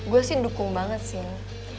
gue sih dukung banget sih